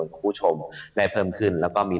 คุณผู้ชมได้เพิ่มขึ้นแล้วก็มี